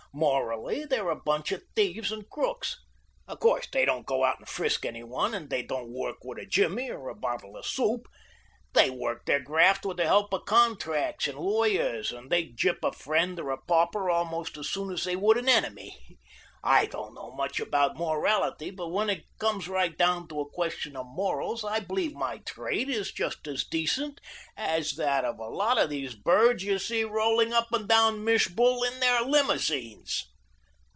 Morally they're a bunch of thieves and crooks. Of course, they don't go out and frisk any one and they don't work with a jimmy or a bottle of soup. They work their graft with the help of contracts and lawyers, and they'd gyp a friend or a pauper almost as soon as they would an enemy. I don't know much about morality, but when it comes right down to a question of morals I believe my trade is just as decent as that of a lot of these birds you see rolling up and down Mich Boul in their limousines."